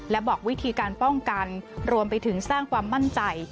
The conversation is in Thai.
และบอกวิธีการป้องกันรวมไปถึงสร้างความมั่นใจ